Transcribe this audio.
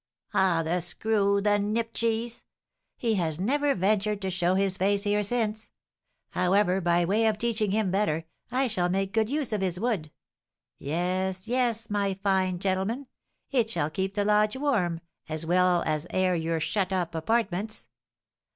Ah, the screw! the nipcheese! He has never ventured to show his face here since. However, by way of teaching him better, I shall make good use of his wood; yes, yes, my fine gentleman, it shall keep the lodge warm, as well as air your shut up apartments.